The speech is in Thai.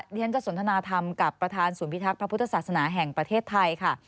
เรียนจะสนทนาธรรมกับประธานศูนย์พิทักษ์พระพุทธศาสนาแห่งประเทศไทยค่ะ